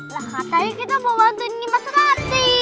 lah katanya kita bawa duit mas rati